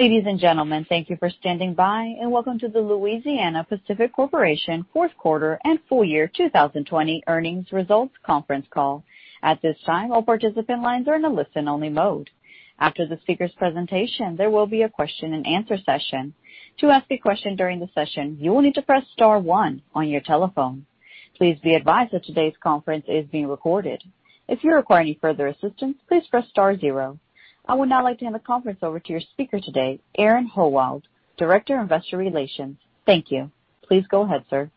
Ladies and gentlemen, thank you for standing by, and welcome to the Louisiana-Pacific Corporation Fourth Quarter and Full Year 2020 Earnings Results Conference Call. At this time, all participant lines are in a listen-only mode. After the speaker's presentation, there will be a question-and-answer session. To ask a question during the session, you will need to press star one on your telephone. Please be advised that today's conference is being recorded. If you require any further assistance, please press star zero. I would now like to hand the conference over to your speaker today, Aaron Howald, Director of Investor Relations. Thank you. Please go ahead, sir.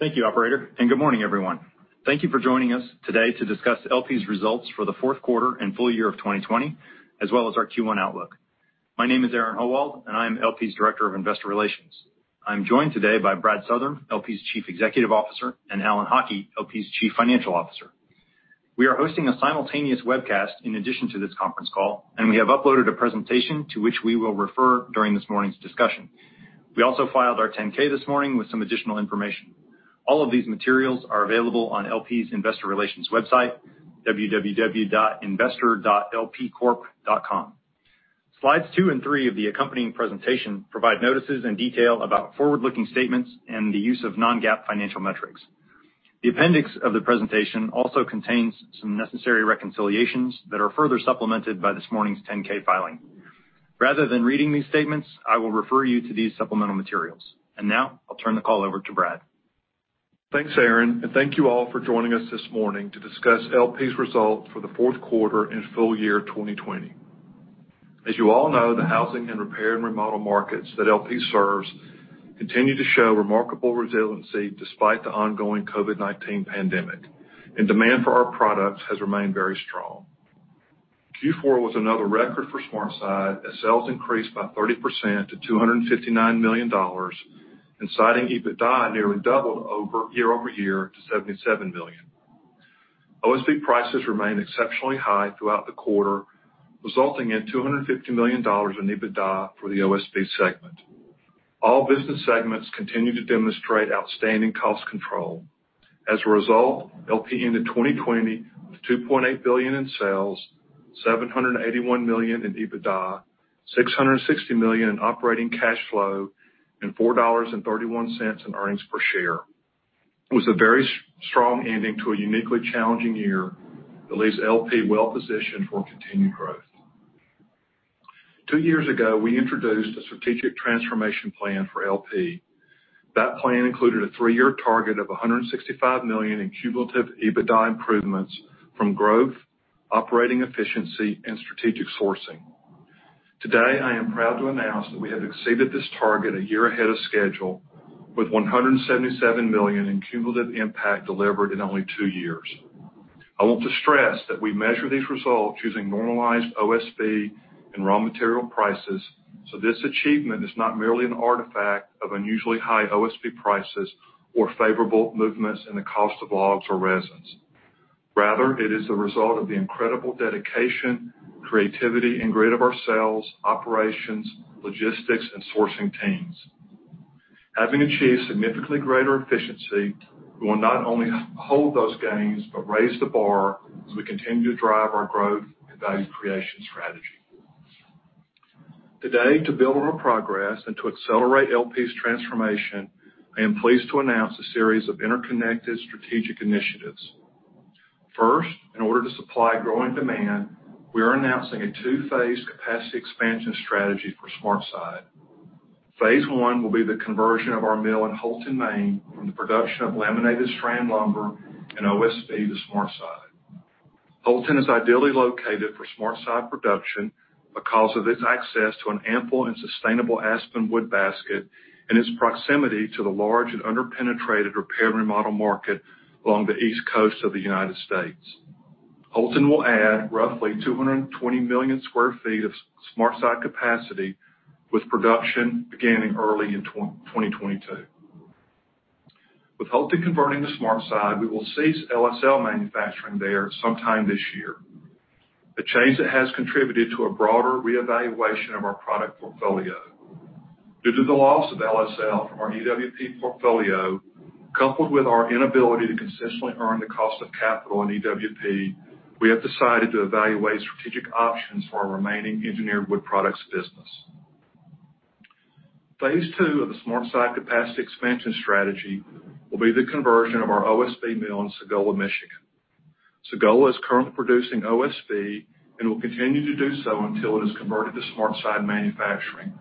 Thank you, Operator, and good morning, everyone. Thank you for joining us today to discuss LP's results for the fourth quarter and full year of 2020, as well as our Q1 outlook. My name is Aaron Howald, and I am LP's Director of Investor Relations. I'm joined today by Brad Southern, LP's Chief Executive Officer, and Alan Haughie, LP's Chief Financial Officer. We are hosting a simultaneous webcast in addition to this conference call, and we have uploaded a presentation to which we will refer during this morning's discussion. We also filed our 10-K this morning with some additional information. All of these materials are available on LP's Investor Relations website, www.investor.lpcorp.com. Slides two and three of the accompanying presentation provide notices and detail about forward-looking statements and the use of non-GAAP financial metrics. The appendix of the presentation also contains some necessary reconciliations that are further supplemented by this morning's 10-K filing. Rather than reading these statements, I will refer you to these supplemental materials, and now I'll turn the call over to Brad. Thanks, Aaron, and thank you all for joining us this morning to discuss LP's results for the fourth quarter and full year 2020. As you all know, the housing and repair and remodel markets that LP serves continue to show remarkable resiliency despite the ongoing COVID-19 pandemic, and demand for our products has remained very strong. Q4 was another record for SmartSide, as sales increased by 30% to $259 million, and Siding EBITDA nearly doubled year-over-year to $77 million. OSB prices remained exceptionally high throughout the quarter, resulting in $250 million in EBITDA for the OSB segment. All business segments continue to demonstrate outstanding cost control. As a result, LP ended 2020 with $2.8 billion in sales, $781 million in EBITDA, $660 million in operating cash flow, and $4.31 in earnings per share. It was a very strong ending to a uniquely challenging year that leaves LP well positioned for continued growth. Two years ago, we introduced a strategic transformation plan for LP. That plan included a three-year target of $165 million in cumulative EBITDA improvements from growth, operating efficiency, and strategic sourcing. Today, I am proud to announce that we have exceeded this target a year ahead of schedule with $177 million in cumulative impact delivered in only two years. I want to stress that we measure these results using normalized OSB and raw material prices, so this achievement is not merely an artifact of unusually high OSB prices or favorable movements in the cost of logs or resins. Rather, it is the result of the incredible dedication, creativity, and grit of our sales, operations, logistics, and sourcing teams. Having achieved significantly greater efficiency, we will not only hold those gains but raise the bar as we continue to drive our growth and value creation strategy. Today, to build on our progress and to accelerate LP's transformation, I am pleased to announce a series of interconnected strategic initiatives. First, in order to supply growing demand, we are announcing a two-phase capacity expansion strategy for SmartSide. Phase I will be the conversion of our mill in Houlton, Maine, from the production of laminated strand lumber and OSB to SmartSide. Houlton is ideally located for SmartSide production because of its access to an ample and sustainable aspen wood basket and its proximity to the large and under-penetrated repair and remodel market along the East Coast of the United States. Houlton will add roughly 220 million sq ft of SmartSide capacity with production beginning early in 2022. With Houlton converting to SmartSide, we will cease LSL manufacturing there sometime this year. A change that has contributed to a broader reevaluation of our product portfolio. Due to the loss of LSL from our EWP portfolio, coupled with our inability to consistently earn the cost of capital in EWP, we have decided to evaluate strategic options for our remaining engineered wood products business. Phase II of the SmartSide capacity expansion strategy will be the conversion of our OSB mill in Sagola, Michigan. Sagola is currently producing OSB and will continue to do so until it is converted to SmartSide manufacturing.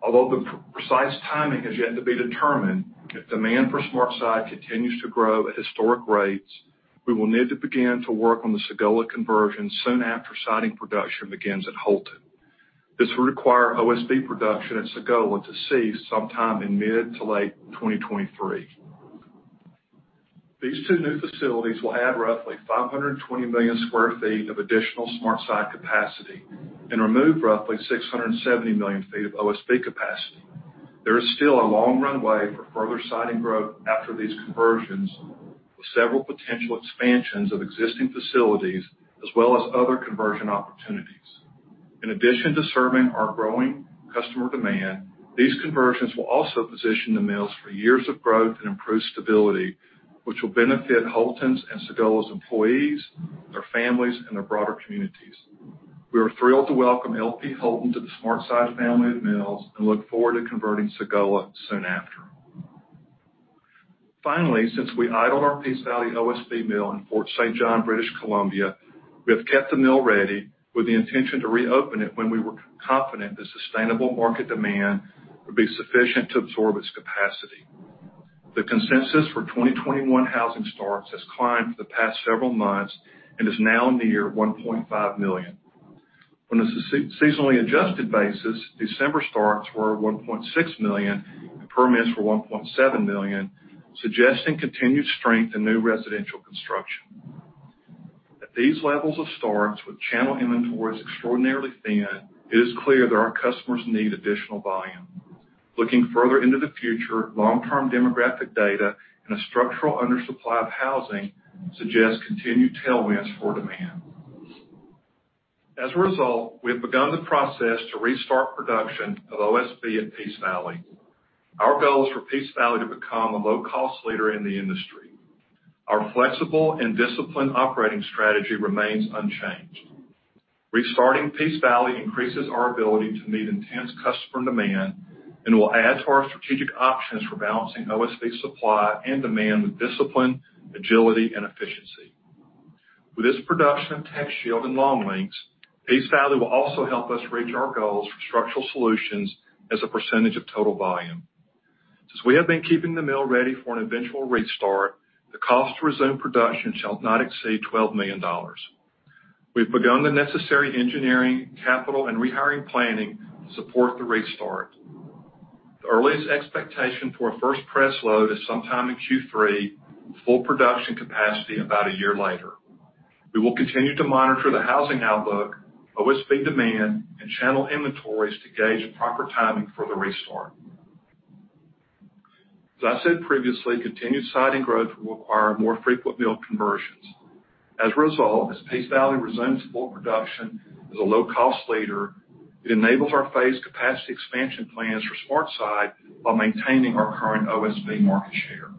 Although the precise timing has yet to be determined, if demand for SmartSide continues to grow at historic rates, we will need to begin to work on the Sagola conversion soon after Siding production begins at Houlton. This will require OSB production at Sagola to cease sometime in mid to late 2023. These two new facilities will add roughly 520 million sq ft of additional SmartSide capacity and remove roughly 670 million sq ft of OSB capacity. There is still a long runway for further Siding growth after these conversions, with several potential expansions of existing facilities as well as other conversion opportunities. In addition to serving our growing customer demand, these conversions will also position the mills for years of growth and improved stability, which will benefit Houlton's and Sagola's employees, their families, and their broader communities. We are thrilled to welcome LP Houlton to the SmartSide family of mills and look forward to converting Sagola soon after. Finally, since we idled our Peace Valley OSB mill in Fort St. John, British Columbia, we have kept the mill ready with the intention to reopen it when we were confident that sustainable market demand would be sufficient to absorb its capacity. The consensus for 2021 housing starts has climbed for the past several months and is now near 1.5 million. On a seasonally adjusted basis, December starts were 1.6 million and permits were 1.7 million, suggesting continued strength in new residential construction. At these levels of starts, with channel inventories extraordinarily thin, it is clear that our customers need additional volume. Looking further into the future, long-term demographic data and a structural undersupply of housing suggest continued tailwinds for demand. As a result, we have begun the process to restart production of OSB at Peace Valley. Our goal is for Peace Valley to become a low-cost leader in the industry. Our flexible and disciplined operating strategy remains unchanged. Restarting Peace Valley increases our ability to meet intense customer demand and will add to our strategic options for balancing OSB supply and demand with discipline, agility, and efficiency. With this production of TechShield and LSL, Peace Valley will also help us reach our goals for Structural Solutions as a percentage of total volume. Since we have been keeping the mill ready for an eventual restart, the cost to resume production shall not exceed $12 million. We have begun the necessary engineering, capital, and rehiring planning to support the restart. The earliest expectation for a first press load is sometime in Q3, full production capacity about a year later. We will continue to monitor the housing outlook, OSB demand, and channel inventories to gauge proper timing for the restart. As I said previously, continued Siding growth will require more frequent mill conversions. As a result, as Peace Valley resumes full production as a low-cost leader, it enables our phased capacity expansion plans for SmartSide while maintaining our current OSB market share.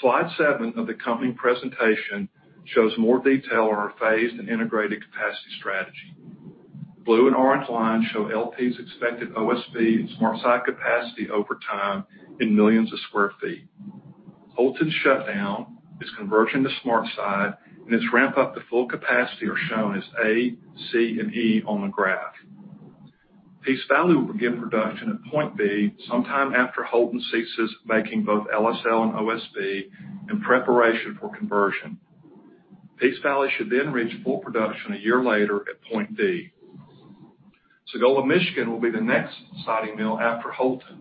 Slide seven of the accompanying presentation shows more detail on our phased and integrated capacity strategy. Blue and orange lines show LP's expected OSB and SmartSide capacity over time in millions of square feet. Houlton's shutdown, its conversion to SmartSide, and its ramp-up to full capacity are shown as A, C, and E on the graph. Peace Valley will begin production at point B sometime after Houlton ceases making both LSL and OSB in preparation for conversion. Peace Valley should then reach full production a year later at point D. Sagola, Michigan, will be the next Siding mill after Houlton.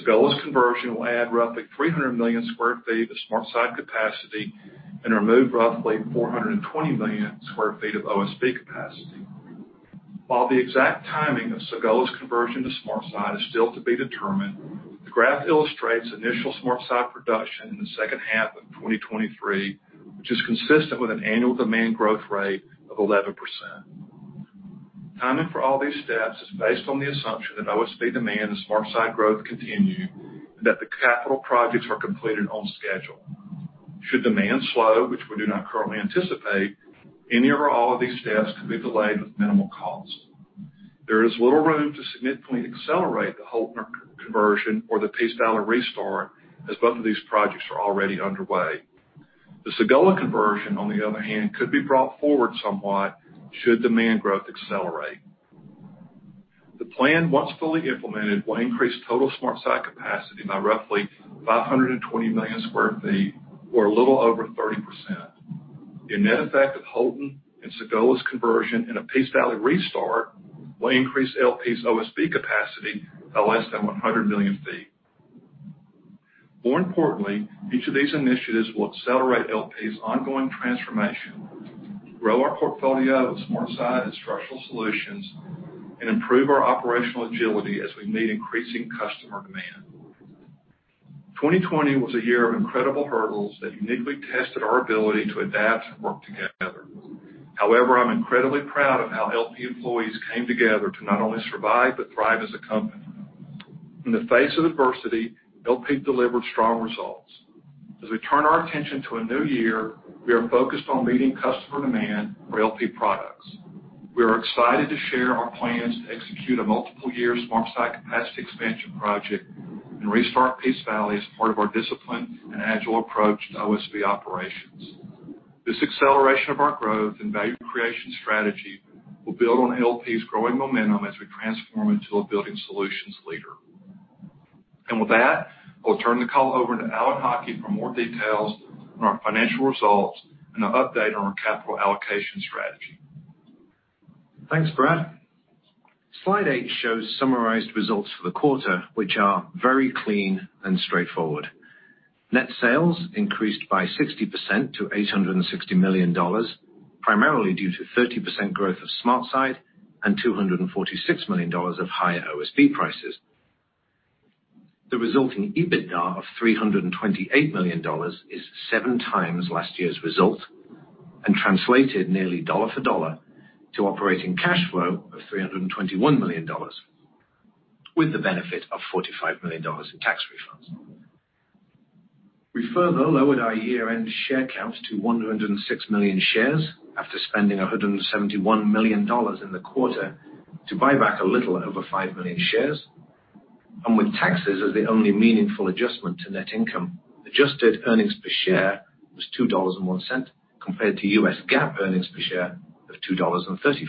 Sagola's conversion will add roughly 300 million sq ft of SmartSide capacity and remove roughly 420 million sq ft of OSB capacity. While the exact timing of Sagola's conversion to SmartSide is still to be determined, the graph illustrates initial SmartSide production in the second half of 2023, which is consistent with an annual demand growth rate of 11%. Timing for all these steps is based on the assumption that OSB demand and SmartSide growth continue and that the capital projects are completed on schedule. Should demand slow, which we do not currently anticipate, any or all of these steps could be delayed with minimal cost. There is little room to significantly accelerate the Houlton conversion or the Peace Valley restart, as both of these projects are already underway. The Sagola conversion, on the other hand, could be brought forward somewhat should demand growth accelerate. The plan, once fully implemented, will increase total SmartSide capacity by roughly 520 million sq ft or a little over 30%. The net effect of Houlton and Sagola's conversion and a Peace Valley restart will increase LP's OSB capacity by less than 100 million sq ft. More importantly, each of these initiatives will accelerate LP's ongoing transformation, grow our portfolio of SmartSide and Structural Solutions, and improve our operational agility as we meet increasing customer demand. 2020 was a year of incredible hurdles that uniquely tested our ability to adapt and work together. However, I'm incredibly proud of how LP employees came together to not only survive but thrive as a company. In the face of adversity, LP delivered strong results. As we turn our attention to a new year, we are focused on meeting customer demand for LP products. We are excited to share our plans to execute a multiple-year SmartSide capacity expansion project and restart Peace Valley as part of our disciplined and agile approach to OSB operations. This acceleration of our growth and value creation strategy will build on LP's growing momentum as we transform into a Building Solutions leader. With that, I'll turn the call over to Alan Haughie for more details on our financial results and an update on our capital allocation strategy. Thanks, Brad. Slide eight shows summarized results for the quarter, which are very clean and straightforward. Net sales increased by 60% to $860 million, primarily due to 30% growth of SmartSide and $246 million of higher OSB prices. The resulting EBITDA of $328 million is 7x last year's result and translated nearly dollar for dollar to operating cash flow of $321 million, with the benefit of $45 million in tax refunds. We further lowered our year-end share count to 106 million shares after spending $171 million in the quarter to buy back a little over five million shares, and with taxes as the only meaningful adjustment to net income, adjusted earnings per share was $2.01 compared to U.S. GAAP earnings per share of $2.34.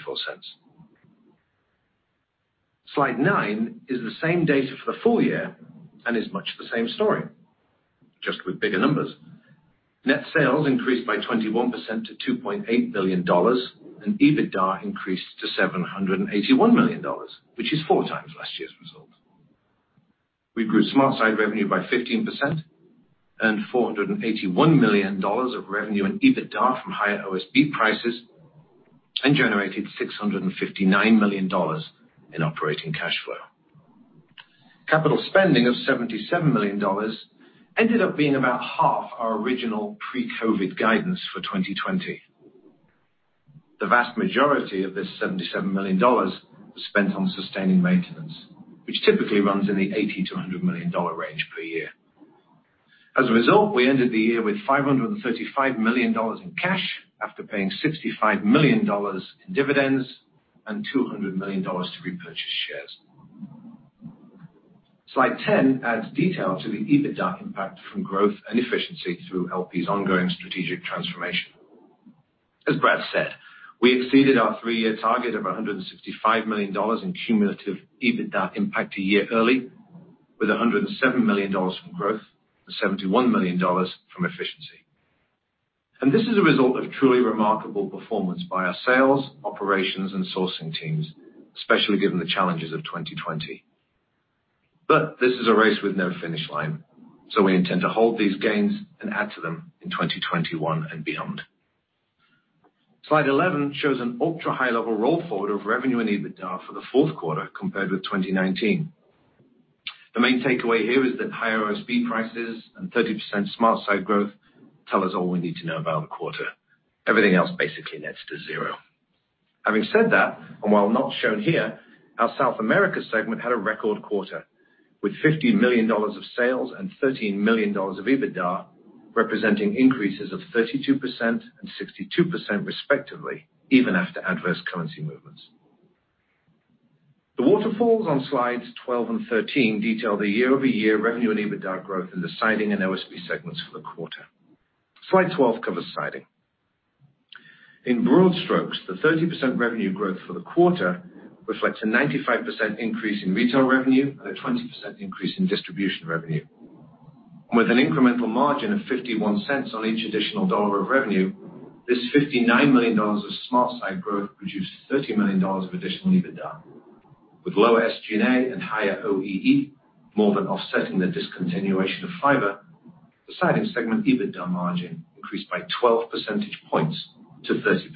Slide nine is the same data for the full year and is much the same story, just with bigger numbers. Net sales increased by 21% to $2.8 billion, and EBITDA increased to $781 million, which is 4x last year's result. We grew SmartSide revenue by 15%, earned $481 million of revenue and EBITDA from higher OSB prices, and generated $659 million in operating cash flow. Capital spending of $77 million ended up being about half our original pre-COVID guidance for 2020. The vast majority of this $77 million was spent on sustaining maintenance, which typically runs in the $80 million-$100 million range per year. As a result, we ended the year with $535 million in cash after paying $65 million in dividends and $200 million to repurchase shares. Slide 10 adds detail to the EBITDA impact from growth and efficiency through LP's ongoing strategic transformation. As Brad said, we exceeded our three-year target of $165 million in cumulative EBITDA impact a year early, with $107 million from growth and $71 million from efficiency, and this is a result of truly remarkable performance by our sales, operations, and sourcing teams, especially given the challenges of 2020, but this is a race with no finish line, so we intend to hold these gains and add to them in 2021 and beyond. Slide 11 shows an ultra-high-level roll forward of revenue and EBITDA for the fourth quarter compared with 2019. The main takeaway here is that higher OSB prices and 30% SmartSide growth tell us all we need to know about the quarter. Everything else basically nets to zero. Having said that, and while not shown here, our South America segment had a record quarter, with $50 million of sales and $13 million of EBITDA representing increases of 32% and 62% respectively, even after adverse currency movements. The waterfalls on slides 12 and 13 detail the year-over-year revenue and EBITDA growth in the Siding and OSB segments for the quarter. Slide 12 covers Siding. In broad strokes, the 30% revenue growth for the quarter reflects a 95% increase in retail revenue and a 20% increase in distribution revenue. With an incremental margin of $0.51 on each additional dollar of revenue, this $59 million of SmartSide growth produced $30 million of additional EBITDA. With lower SG&A and higher OEE, more than offsetting the discontinuation of Fiber, the Siding segment EBITDA margin increased by 12 percentage points to 30%.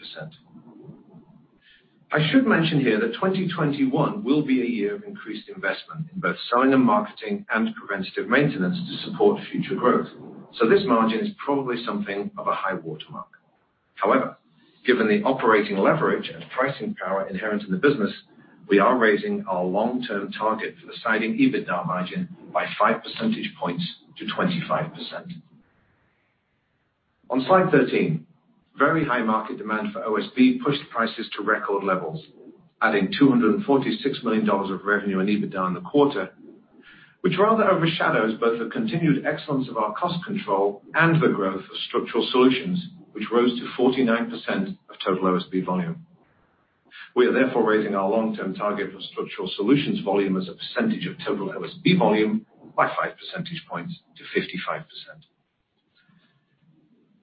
I should mention here that 2021 will be a year of increased investment in both selling and marketing and preventative maintenance to support future growth, so this margin is probably something of a high watermark. However, given the operating leverage and pricing power inherent in the business, we are raising our long-term target for the Siding EBITDA margin by 5 percentage points to 25%. On slide 13, very high market demand for OSB pushed prices to record levels, adding $246 million of revenue and EBITDA in the quarter, which rather overshadows both the continued excellence of our cost control and the growth of Structural Solutions, which rose to 49% of total OSB volume. We are therefore raising our long-term target for Structural Solutions volume as a percentage of total OSB volume by 5 percentage points to 55%.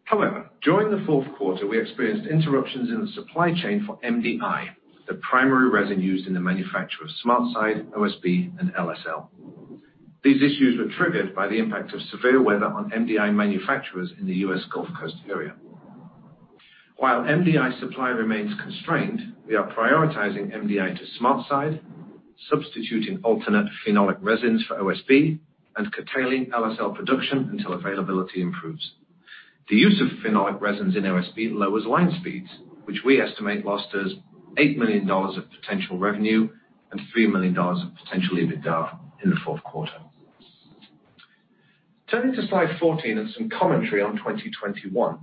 However, during the fourth quarter, we experienced interruptions in the supply chain for MDI, the primary resin used in the manufacture of SmartSide, OSB, and LSL. These issues were triggered by the impact of severe weather on MDI manufacturers in the U.S. Gulf Coast area. While MDI supply remains constrained, we are prioritizing MDI to SmartSide, substituting alternate phenolic resins for OSB, and curtailing LSL production until availability improves. The use of phenolic resins in OSB lowers line speeds, which we estimate lost as $8 million of potential revenue and $3 million of potential EBITDA in the fourth quarter. Turning to slide 14 and some commentary on 2021.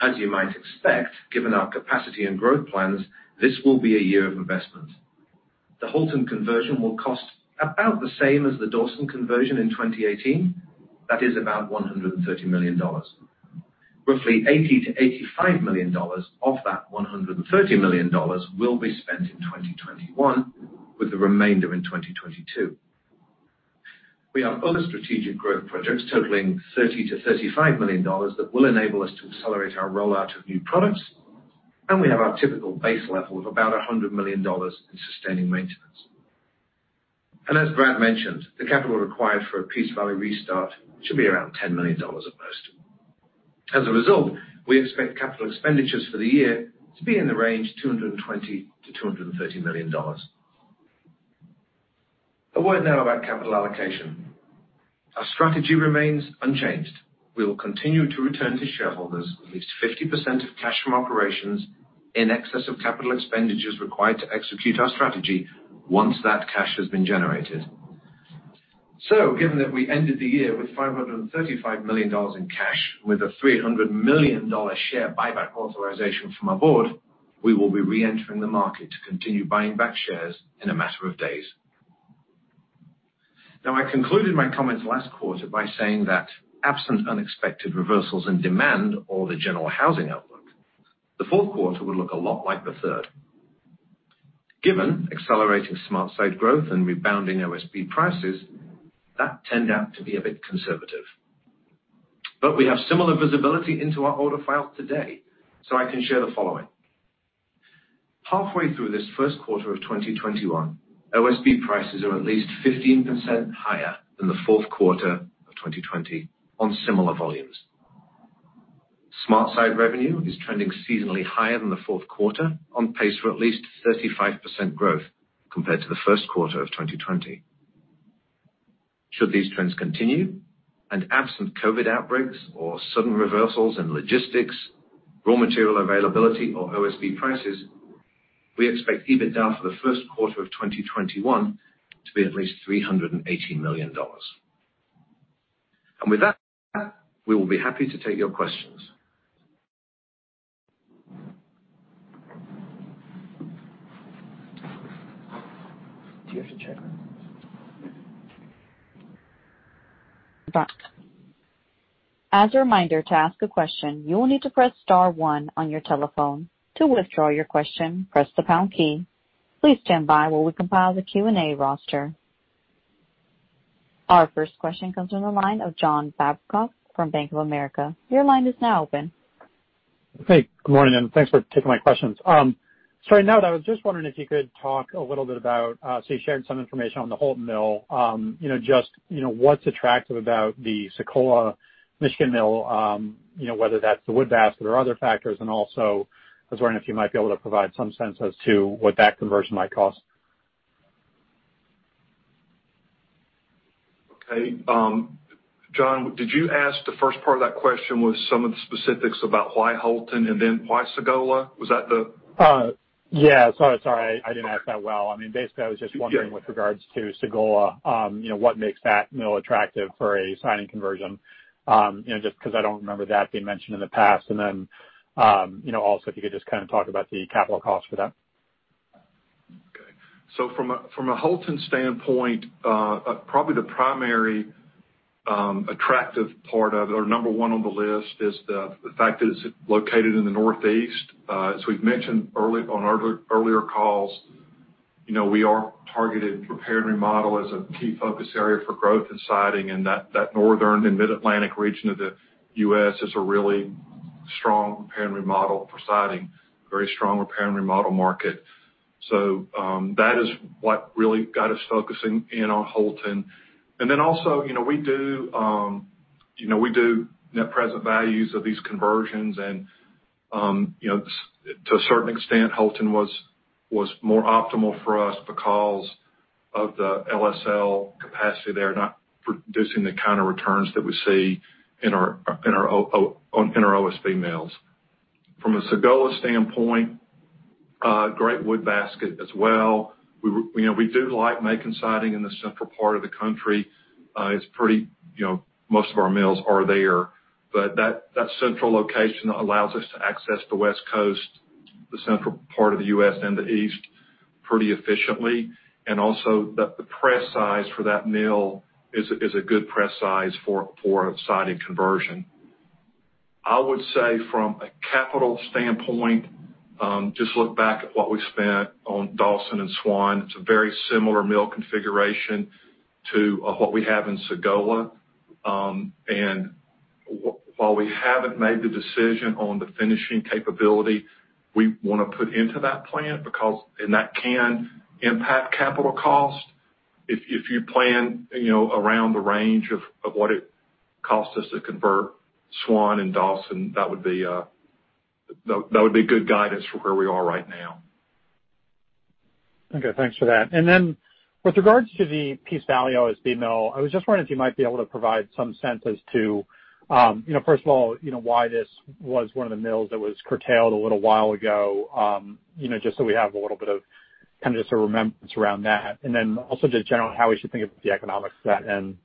As you might expect, given our capacity and growth plans, this will be a year of investment. The Houlton conversion will cost about the same as the Dawson conversion in 2018, that is about $130 million. Roughly $80 million-$85 million of that $130 million will be spent in 2021, with the remainder in 2022. We have other strategic growth projects totaling $30 million-$35 million that will enable us to accelerate our rollout of new products, and we have our typical base level of about $100 million in sustaining maintenance. And as Brad mentioned, the capital required for a Peace Valley restart should be around $10 million at most. As a result, we expect capital expenditures for the year to be in the range of $220 million-$230 million. A word now about capital allocation. Our strategy remains unchanged. We will continue to return to shareholders at least 50% of cash from operations in excess of capital expenditures required to execute our strategy once that cash has been generated. So, given that we ended the year with $535 million in cash and with a $300 million share buyback authorization from our Board, we will be re-entering the market to continue buying back shares in a matter of days. Now, I concluded my comments last quarter by saying that absent unexpected reversals in demand or the general housing outlook, the fourth quarter would look a lot like the third. Given accelerating SmartSide growth and rebounding OSB prices, that turned out to be a bit conservative. But we have similar visibility into our order file today, so I can share the following. Halfway through this first quarter of 2021, OSB prices are at least 15% higher than the fourth quarter of 2020 on similar volumes. SmartSide revenue is trending seasonally higher than the fourth quarter, on pace for at least 35% growth compared to the first quarter of 2020. Should these trends continue, and absent COVID outbreaks or sudden reversals in logistics, raw material availability, or OSB prices, we expect EBITDA for the first quarter of 2021 to be at least $380 million, and with that, we will be happy to take your questions. Do you have to check? Back. As a reminder to ask a question, you will need to press star one on your telephone. To withdraw your question, press the pound key. Please stand by while we compile the Q&A roster. Our first question comes from the line of John Babcock from Bank of America. Your line is now open. Hey, good morning, and thanks for taking my questions. Starting out, I was just wondering if you could talk a little bit about, so you shared some information on the Houlton Mill, just what's attractive about the Sagola Michigan Mill, whether that's the wood basket or other factors, and also I was wondering if you might be able to provide some sense as to what that conversion might cost. Hey, John, did you ask the first part of that question was some of the specifics about why Houlton and then why Sagola? Was that the? Yeah, sorry, sorry. I didn't ask that well. I mean, basically, I was just wondering with regards to Sagola, what makes that mill attractive for a Siding conversion, just because I don't remember that being mentioned in the past. And then also, if you could just kind of talk about the capital cost for that. Okay. So from a Houlton standpoint, probably the primary attractive part of it, or number one on the list, is the fact that it's located in the Northeast. As we've mentioned on earlier calls, we are targeted repair and remodel as a key focus area for growth and Siding, and that northern and mid-Atlantic region of the U.S. is a really strong repair and remodel for Siding, a very strong repair and remodel market. So that is what really got us focusing in on Houlton. And then also, we do net present values of these conversions, and to a certain extent, Houlton was more optimal for us because of the LSL capacity there, not producing the kind of returns that we see in our OSB mills. From a Sagola standpoint, great wood basket as well. We do like making Siding in the central part of the country. Most of our mills are there, but that central location allows us to access the West Coast, the central part of the U.S., and the East pretty efficiently. And also, the press size for that mill is a good press size for a Siding conversion. I would say from a capital standpoint, just look back at what we spent on Dawson and Swan. It's a very similar mill configuration to what we have in Sagola. And while we haven't made the decision on the finishing capability we want to put into that plant because that can impact capital cost, if you plan around the range of what it costs us to convert Swan and Dawson, that would be good guidance for where we are right now. Okay, thanks for that. And then with regards to the Peace Valley OSB mill, I was just wondering if you might be able to provide some sense as to, first of all, why this was one of the mills that was curtailed a little while ago, just so we have a little bit of kind of just a remembrance around that. And then also just generally how we should think about the economics of that and,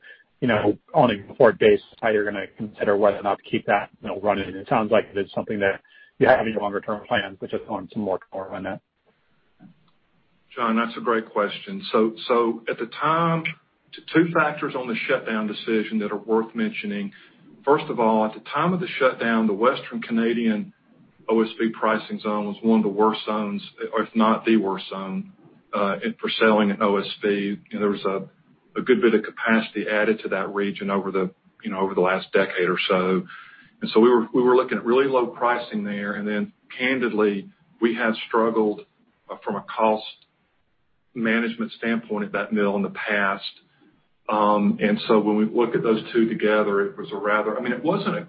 on a go-forward basis, how you're going to consider whether or not to keep that mill running. It sounds like it is something that you have any longer-term plans, but just wanted some more color on that. John, that's a great question. So at the time, two factors on the shutdown decision that are worth mentioning. First of all, at the time of the shutdown, the Western Canadian OSB pricing zone was one of the worst zones, if not the worst zone for selling an OSB. There was a good bit of capacity added to that region over the last decade or so. And so we were looking at really low pricing there. And then, candidly, we have struggled from a cost management standpoint at that mill in the past. And so when we look at those two together, it was a rather, I mean, it wasn't a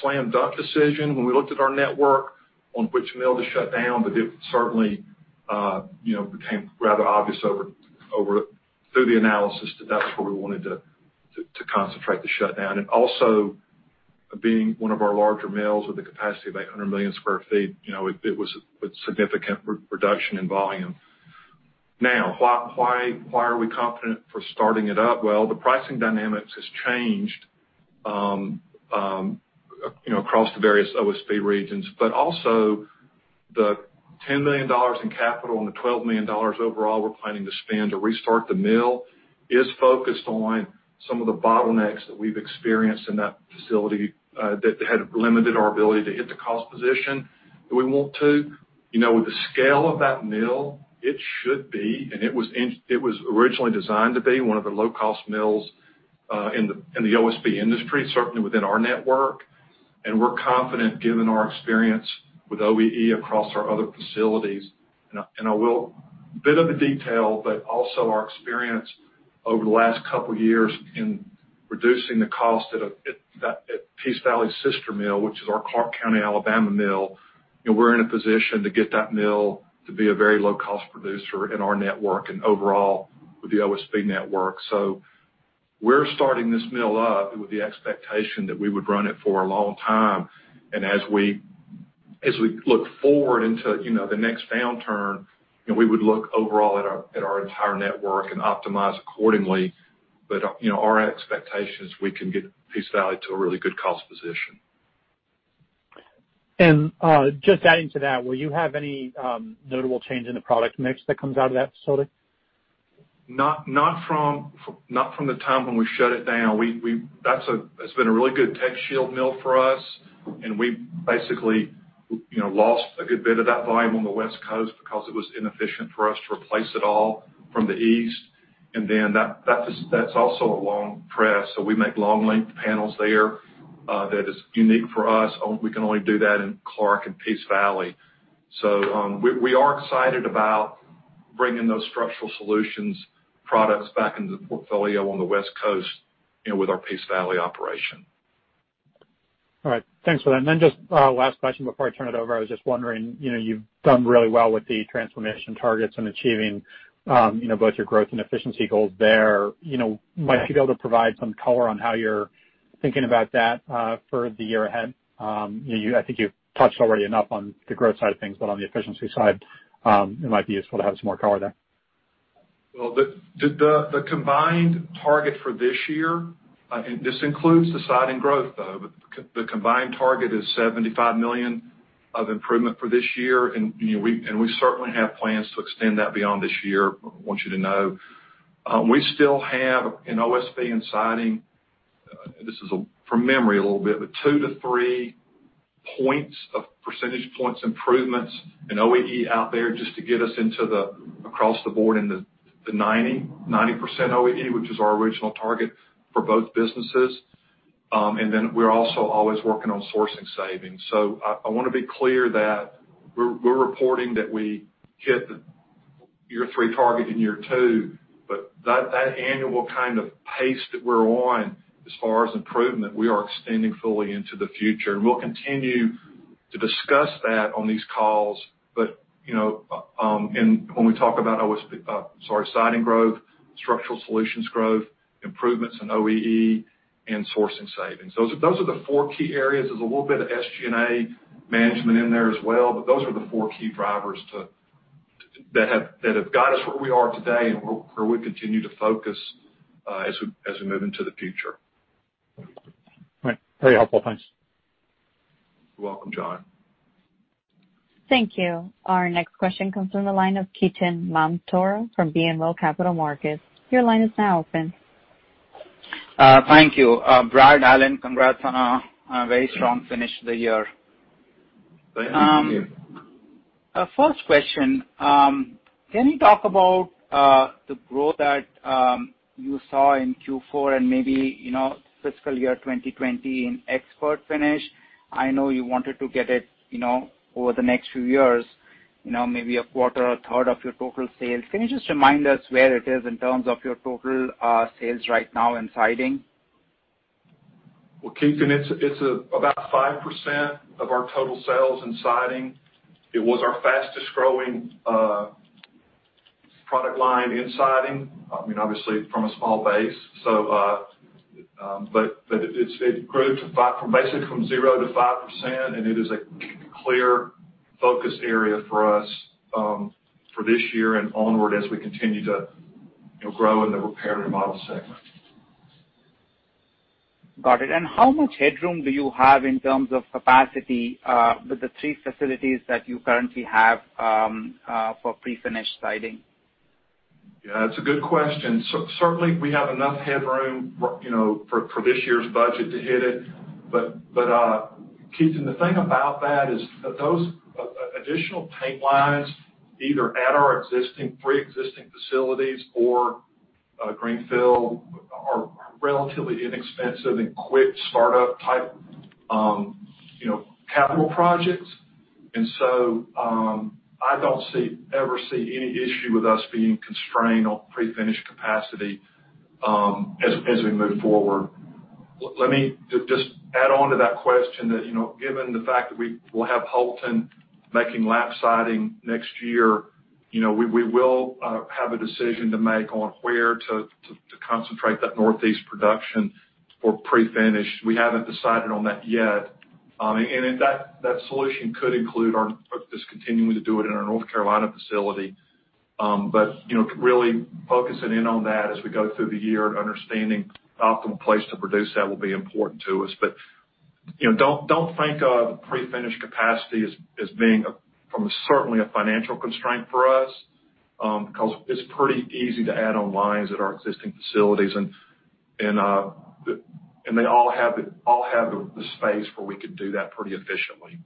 slam-dunk decision when we looked at our network on which mill to shut down, but it certainly became rather obvious through the analysis that that's where we wanted to concentrate the shutdown. And also, being one of our larger mills with a capacity of 800 million sq ft, it was a significant reduction in volume. Now, why are we confident for starting it up? Well, the pricing dynamics has changed across the various OSB regions, but also the $10 million in capital and the $12 million overall we're planning to spend to restart the mill is focused on some of the bottlenecks that we've experienced in that facility that had limited our ability to hit the cost position that we want to. With the scale of that mill, it should be, and it was originally designed to be one of the low-cost mills in the OSB industry, certainly within our network. We're confident, given our experience with OEE across our other facilities, and I will, a bit of a detail, but also our experience over the last couple of years in reducing the cost at Peace Valley sister mill, which is our Clark County, Alabama mill. We're in a position to get that mill to be a very low-cost producer in our network and overall with the OSB network. We're starting this mill up with the expectation that we would run it for a long time. As we look forward into the next downturn, we would look overall at our entire network and optimize accordingly. Our expectation is we can get Peace Valley to a really good cost position. Just adding to that, will you have any notable change in the product mix that comes out of that facility? Not from the time when we shut it down. That's been a really good TechShield mill for us, and we basically lost a good bit of that volume on the West Coast because it was inefficient for us to replace it all from the East. Then that's also a long press, so we make long-length panels there that is unique for us. We can only do that in Clark and Peace Valley. We are excited about bringing those Structural Solutions products back into the portfolio on the West Coast with our Peace Valley operation. All right. Thanks for that. And then just last question before I turn it over. I was just wondering, you've done really well with the transformation targets and achieving both your growth and efficiency goals there. Might you be able to provide some color on how you're thinking about that for the year ahead? I think you've touched already enough on the growth side of things, but on the efficiency side, it might be useful to have some more color there. The combined target for this year, and this includes the Siding growth, though, but the combined target is $75 million of improvement for this year, and we certainly have plans to extend that beyond this year, I want you to know. We still have in OSB and Siding, this is from memory a little bit, but two to three points of percentage points improvements in OEE out there just to get us across the board in the 90% OEE, which is our original target for both businesses. And then we're also always working on sourcing savings. So I want to be clear that we're reporting that we hit the year three target in year two, but that annual kind of pace that we're on as far as improvement, we are extending fully into the future. And we'll continue to discuss that on these calls, but when we talk about OSB, sorry, Siding growth, Structural Solutions growth, improvements in OEE, and sourcing savings. Those are the four key areas. There's a little bit of SG&A management in there as well, but those are the four key drivers that have got us where we are today and where we continue to focus as we move into the future. All right. Very helpful. Thanks. You're welcome, John. Thank you. Our next question comes from the line of Ketan Mamtora from BMO Capital Markets. Your line is now open. Thank you. Brad Southern, congrats on a very strong finish of the year. Thank you. First question, can you talk about the growth that you saw in Q4 and maybe fiscal year 2020 in ExpertFinish? I know you wanted to get it over the next few years, maybe a quarter or a third of your total sales. Can you just remind us where it is in terms of your total sales right now in Siding? Ketan, it's about 5% of our total sales in Siding. It was our fastest-growing product line in Siding, I mean, obviously, from a small base. But it grew basically from 0%-5%, and it is a clear focus area for us for this year and onward as we continue to grow in the repair and remodel segment. Got it. And how much headroom do you have in terms of capacity with the three facilities that you currently have for pre-finished Siding? Yeah, that's a good question. Certainly, we have enough headroom for this year's budget to hit it. But Ketan, the thing about that is those additional pipelines, either at our existing three facilities or Greenfield, are relatively inexpensive and quick startup-type capital projects. And so I don't ever see any issue with us being constrained on pre-finished capacity as we move forward. Let me just add on to that question that, given the fact that we will have Houlton making Lap Siding next year, we will have a decision to make on where to concentrate that Northeast production for pre-finished. We haven't decided on that yet. And that solution could include us continuing to do it in our North Carolina facility. But really focusing in on that as we go through the year and understanding the optimal place to produce that will be important to us. But don't think of pre-finished capacity as being certainly a financial constraint for us because it's pretty easy to add on lines at our existing facilities, and they all have the space where we could do that pretty efficiently.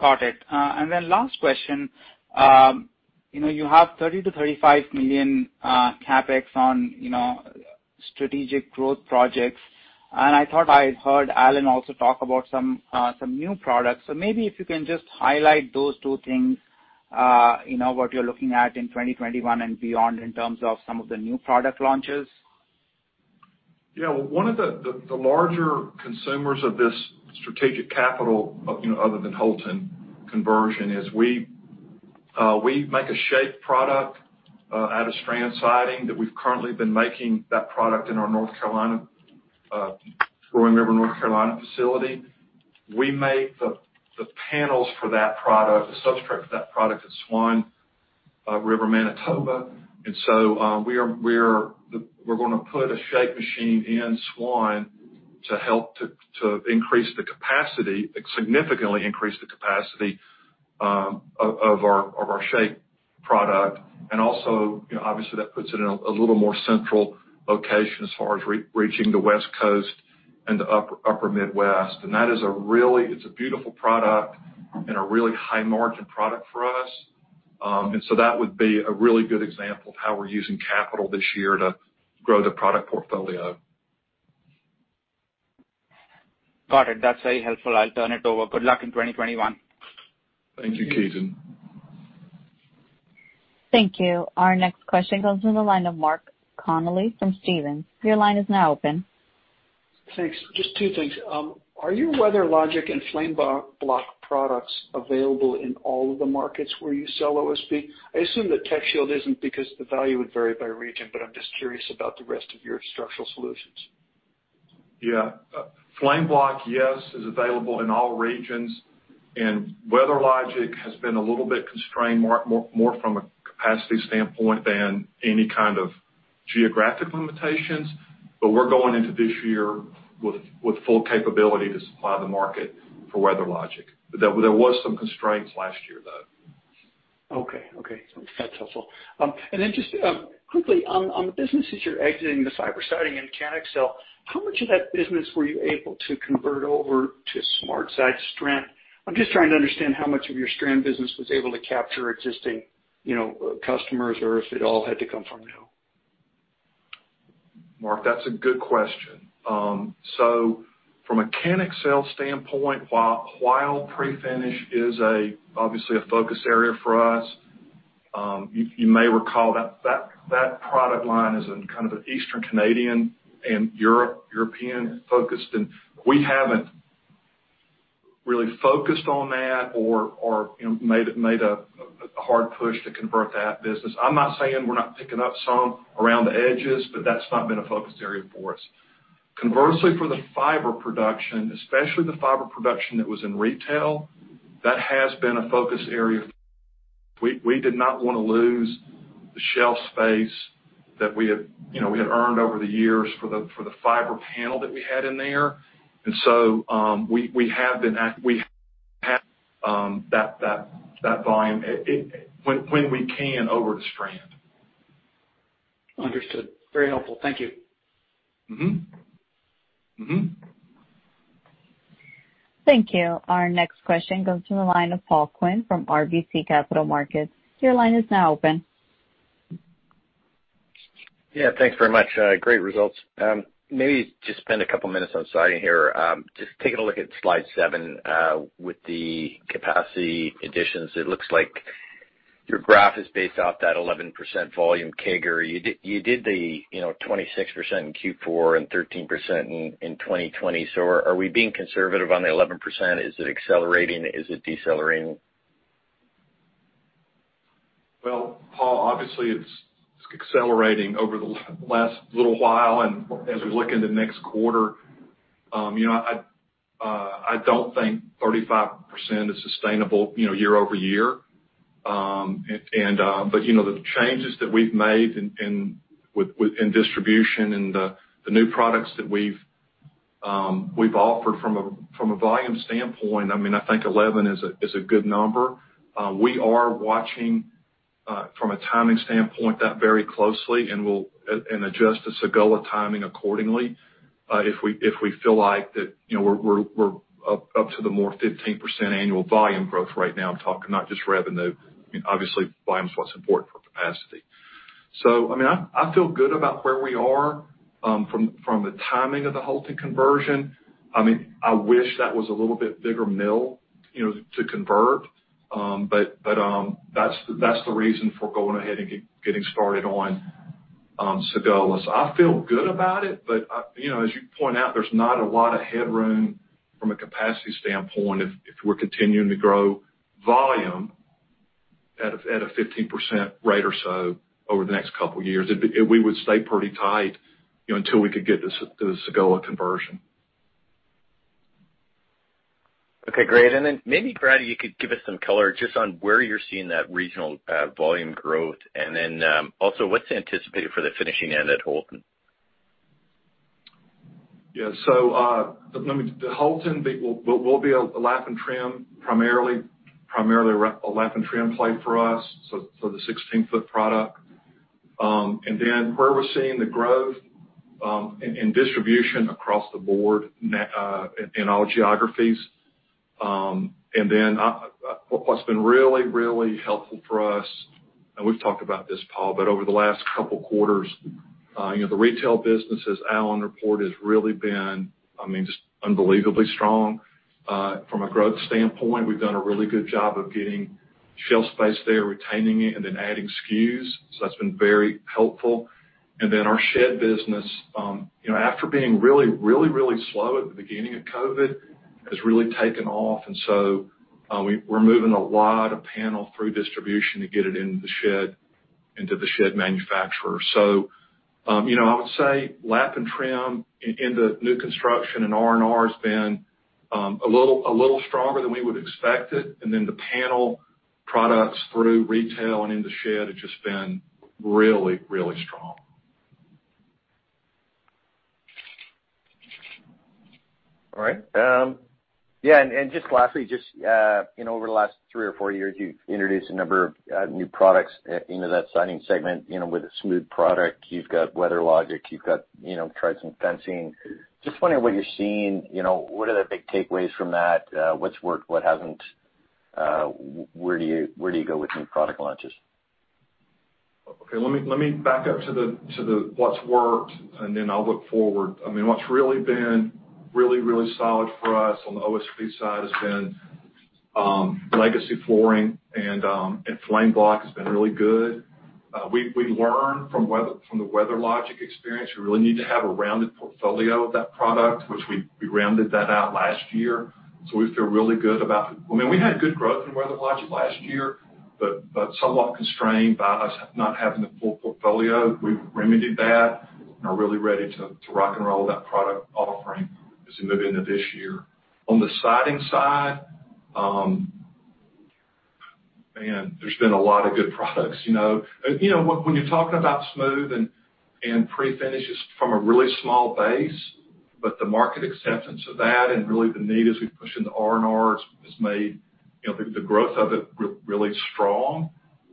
Got it. And then last question, you have $30 million-$35 million CapEx on strategic growth projects. And I thought I heard Alan also talk about some new products. So maybe if you can just highlight those two things, what you're looking at in 2021 and beyond in terms of some of the new product launches? Yeah. Well, one of the larger consumers of this strategic capital, other than Houlton conversion, is we make a shake product out of strand Siding that we've currently been making that product in our Roaring River, North Carolina facility. We make the panels for that product, the substrate for that product at Swan River, Manitoba. And so we're going to put a shake machine in Swan to help to significantly increase the capacity of our shake product. And also, obviously, that puts it in a little more central location as far as reaching the West Coast and the upper Midwest. And that is a really, it's a beautiful product and a really high-margin product for us. And so that would be a really good example of how we're using capital this year to grow the product portfolio. Got it. That's very helpful. I'll turn it over. Good luck in 2021. Thank you, Ketan. Thank you. Our next question goes to the line of Mark Connelly from Stephens. Your line is now open. Thanks. Just two things. Are your WeatherLogic and FlameBlock products available in all of the markets where you sell OSB? I assume that TechShield isn't because the value would vary by region, but I'm just curious about the rest of your Structural Solutions. Yeah. FlameBlock, yes, is available in all regions. And WeatherLogic has been a little bit constrained more from a capacity standpoint than any kind of geographic limitations. But we're going into this year with full capability to supply the market for WeatherLogic. There were some constraints last year, though. Okay. Okay. That's helpful. And then just quickly, on the businesses you're exiting, the Fiber Siding and CanExel, how much of that business were you able to convert over to SmartSide strand? I'm just trying to understand how much of your strand business was able to capture existing customers or if it all had to come from them. Mark, that's a good question. From a merchant sales standpoint, while pre-finish is obviously a focus area for us, you may recall that that product line is kind of an Eastern Canadian and European-focused. We haven't really focused on that or made a hard push to convert that business. I'm not saying we're not picking up some around the edges, but that's not been a focus area for us. Conversely, for the fiber production, especially the fiber production that was in retail, that has been a focus area. We did not want to lose the shelf space that we had earned over the years for the fiber panel that we had in there. We have moved that volume when we can over to strand. Understood. Very helpful. Thank you. Thank you. Our next question goes to the line of Paul Quinn from RBC Capital Markets. Your line is now open. Yeah. Thanks very much. Great results. Maybe just spend a couple of minutes on Siding here. Just taking a look at slide seven with the capacity additions, it looks like your graph is based off that 11% volume CAGR. You did the 26% in Q4 and 13% in 2020. So are we being conservative on the 11%? Is it accelerating? Is it decelerating? Paul, obviously, it's accelerating over the last little while. As we look into next quarter, I don't think 35% is sustainable year-over-year. The changes that we've made in distribution and the new products that we've offered from a volume standpoint, I mean, I think 11% is a good number. We are watching from a timing standpoint that very closely and adjust the Sagola timing accordingly if we feel like that we're up to the more 15% annual volume growth right now. I'm talking not just revenue. Obviously, volume is what's important for capacity. I mean, I feel good about where we are from the timing of the Houlton conversion. I mean, I wish that was a little bit bigger mill to convert, but that's the reason for going ahead and getting started on Sagola. I feel good about it. But as you point out, there's not a lot of headroom from a capacity standpoint if we're continuing to grow volume at a 15% rate or so over the next couple of years. We would stay pretty tight until we could get to the Sagola conversion. Okay. Great. And then maybe, Brad, you could give us some color just on where you're seeing that regional volume growth. And then also, what's anticipated for the finishing end at Houlton? Yeah. So Houlton will be a lap and trim plant, primarily a lap and trim plant for us, so the 16 ft product. And then where we're seeing the growth in distribution across the board in all geographies. And then what's been really, really helpful for us, and we've talked about this, Paul, but over the last couple of quarters, the retail business as Alan report has really been, I mean, just unbelievably strong from a growth standpoint. We've done a really good job of getting shelf space there, retaining it, and then adding SKUs. So that's been very helpful. And then our Shed business, after being really, really, really slow at the beginning of COVID, has really taken off. And so we're moving a lot of panel through distribution to get it into the Shed manufacturer. So I would say lap and trim in the new construction and R&R has been a little stronger than we would expect it. And then the panel products through retail and in the shed have just been really, really strong. All right. Yeah, and just lastly, just over the last three or four years, you've introduced a number of new products into that Siding segment with a smooth product. You've got WeatherLogic. You've tried some fencing. Just wondering what you're seeing. What are the big takeaways from that? What's worked? What hasn't? Where do you go with new product launches? Okay. Let me back up to what's worked, and then I'll look forward. I mean, what's really been really, really solid for us on the OSB side has been Legacy flooring, and FlameBlock has been really good. We learned from the WeatherLogic experience. We really need to have a rounded portfolio of that product, which we rounded that out last year. So we feel really good about it. I mean, we had good growth in WeatherLogic last year, but somewhat constrained by us not having the full portfolio. We remedied that and are really ready to rock and roll that product offering as we move into this year. On the Siding side, man, there's been a lot of good products. When you're talking about Smooth and pre-finishes from a really small base, but the market acceptance of that and really the need as we push into R&R has made the growth of it really strong.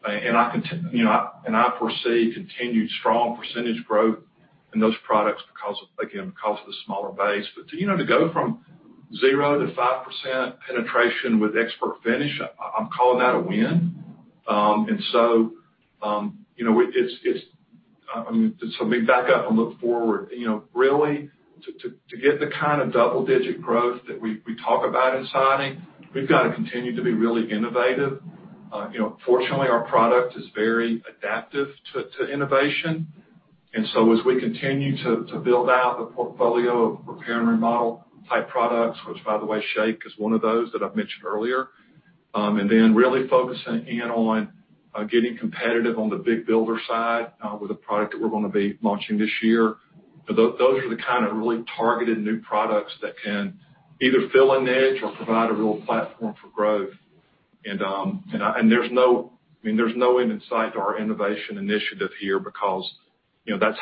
And I foresee continued strong percentage growth in those products because, again, because of the smaller base. But to go from 0%-5% penetration with ExpertFinish, I'm calling that a win. And so it's, I mean, so we back up and look forward. Really, to get the kind of double-digit growth that we talk about in Siding, we've got to continue to be really innovative. Fortunately, our product is very adaptive to innovation. And so as we continue to build out the portfolio of repair and remodel type products, which, by the way, shape is one of those that I've mentioned earlier, and then really focusing in on getting competitive on the big builder side with a product that we're going to be launching this year, those are the kind of really targeted new products that can either fill a niche or provide a real platform for growth. And there's no, I mean, there's no end in sight to our innovation initiative here because that's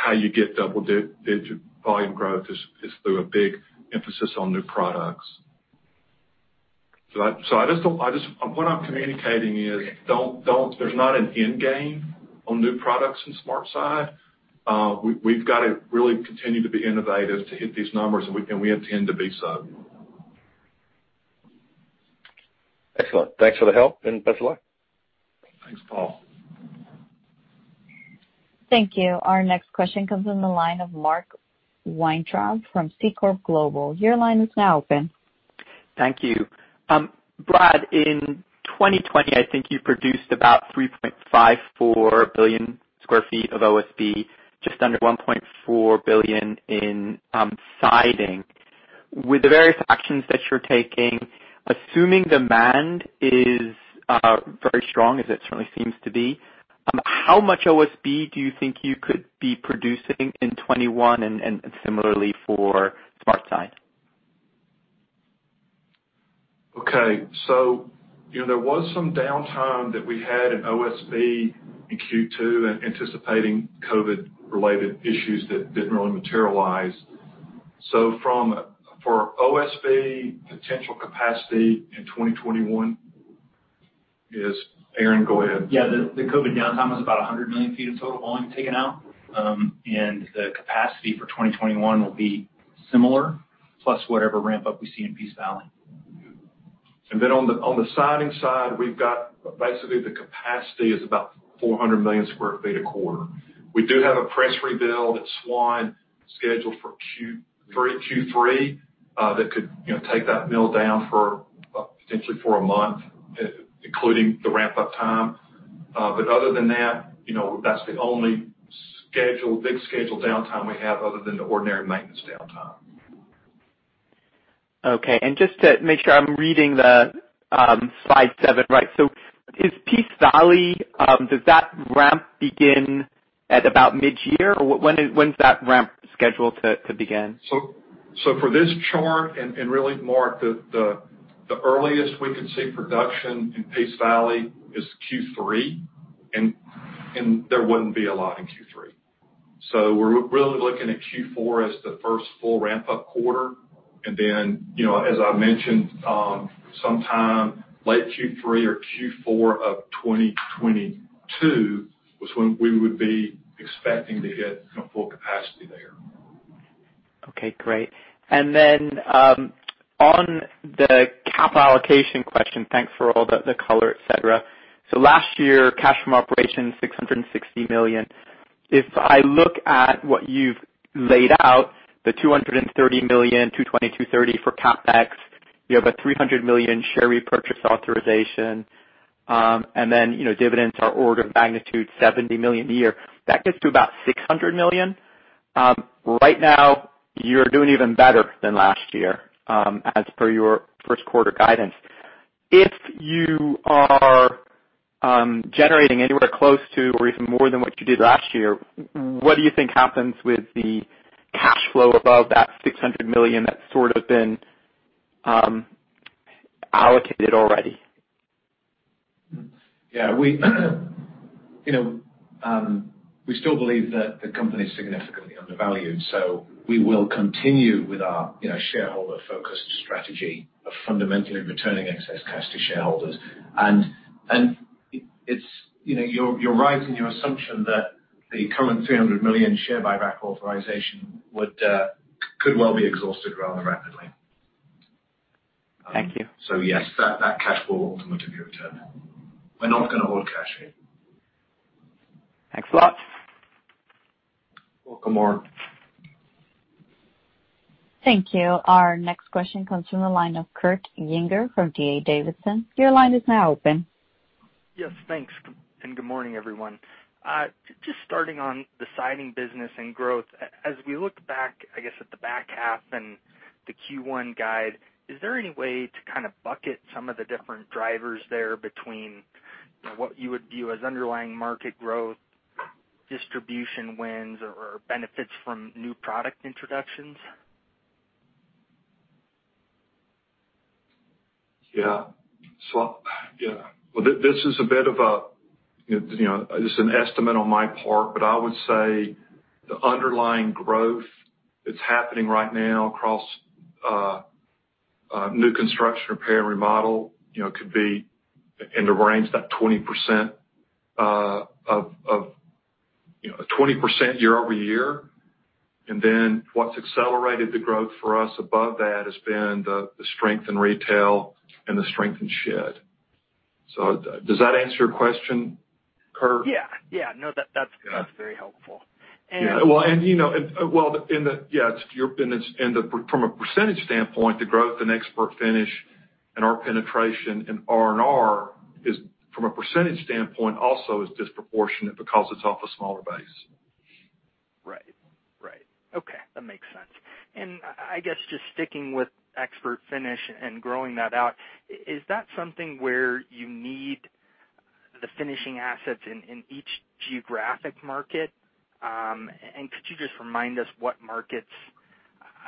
how you get double-digit volume growth is through a big emphasis on new products. So what I'm communicating is there's not an end game on new products and SmartSide. We've got to really continue to be innovative to hit these numbers, and we intend to be so. Excellent. Thanks for the help and best of luck. Thanks, Paul. Thank you. Our next question comes in the line of Mark Weintraub from Seaport Global. Your line is now open. Thank you. Brad, in 2020, I think you produced about 3.54 billion sq ft of OSB, just under 1.4 billion in Siding. With the various actions that you're taking, assuming demand is very strong, as it certainly seems to be, how much OSB do you think you could be producing in 2021 and similarly for SmartSide? There was some downtime that we had in OSB in Q2 anticipating COVID-related issues that didn't really materialize. So for OSB, potential capacity in 2021 is. Aaron, go ahead. Yeah. The COVID downtime was about 100 million feet of total volume taken out. And the capacity for 2021 will be similar plus whatever ramp-up we see in Peace Valley. Then on the Siding side, we've got basically the capacity is about 400 million sq ft a quarter. We do have a press rebuild at Swan scheduled for Q3 that could take that mill down potentially for a month, including the ramp-up time. Other than that, that's the only big scheduled downtime we have other than the ordinary maintenance downtime. Okay. And just to make sure I'm reading the slide seven right, so is Peace Valley, does that ramp begin at about mid-year? When's that ramp scheduled to begin? So for this chart and really, Mark, the earliest we could see production in Peace Valley is Q3, and there wouldn't be a lot in Q3. So we're really looking at Q4 as the first full ramp-up quarter. And then, as I mentioned, sometime late Q3 or Q4 of 2022 was when we would be expecting to hit full capacity there. Okay. Great. And then on the cap allocation question, thanks for all the color, etc. So last year, cash from operations, $660 million. If I look at what you've laid out, the $230 million, $220 million-$230 million for CapEx, you have a $300 million share repurchase authorization, and then dividends are order of magnitude $70 million a year. That gets to about $600 million. Right now, you're doing even better than last year as per your first quarter guidance. If you are generating anywhere close to or even more than what you did last year, what do you think happens with the cash flow above that $600 million that's sort of been allocated already? Yeah. We still believe that the company is significantly undervalued. So we will continue with our shareholder-focused strategy of fundamentally returning excess cash to shareholders. And you're right in your assumption that the current $300 million share buyback authorization could well be exhausted rather rapidly. Thank you. So yes, that cash will ultimately be returned. We're not going to hold cash yet. Thanks a lot. Welcome, Mark. Thank you. Our next question comes from the line of Kurt Yinger from D.A. Davidson. Your line is now open. Yes. Thanks. And good morning, everyone. Just starting on the Siding business and growth, as we look back, I guess, at the back half and the Q1 guide, is there any way to kind of bucket some of the different drivers there between what you would view as underlying market growth, distribution wins, or benefits from new product introductions? Yeah. So yeah. This is an estimate on my part, but I would say the underlying growth that's happening right now across new construction, repair, and remodel could be in the range of 20% year-over-year. And then what's accelerated the growth for us above that has been the strength in retail and the strength in Shed. So does that answer your question, Kurt? Yeah. Yeah. No, that's very helpful. From a percentage standpoint, the growth in ExpertFinish and our penetration in R&R is, from a percentage standpoint, also disproportionate because it's off a smaller base. Right. Right. Okay. That makes sense. And I guess just sticking with ExpertFinish and growing that out, is that something where you need the finishing assets in each geographic market? And could you just remind us what markets,